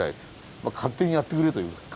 まあ勝手にやってくれという感じですかね